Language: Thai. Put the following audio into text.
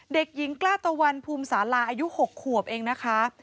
เด็กหญิงกล้าตะวันภูมิสาราอายุ๖ขวบเองนะคะ